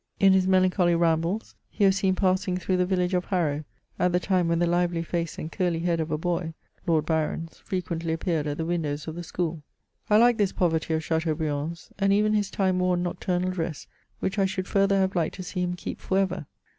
In his melanclioly rambles, he was seen passing through the village of Harrow, at the time when the lively face and curly head of a boy — Lord Byron's — frequently appeared at the windows of the school. I like this poverty of Chateaubriand's, and even his time worn nocturnal dress, which I should further have liked to see him keep for ever.